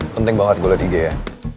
penting banget gue liat ig ya